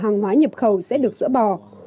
ngoài nhập khẩu sẽ được dỡ bỏ